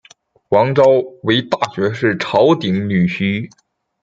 王诏为大学士曹鼐女婿。